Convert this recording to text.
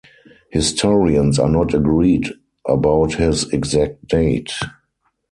Historians are not agreed about his exact date.